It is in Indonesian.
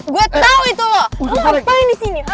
jangan lupa subscribe like komen dan share